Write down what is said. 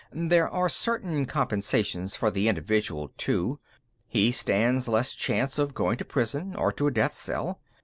"There are certain compensations for the individual, too. He stands less chance of going to prison, or to a death cell.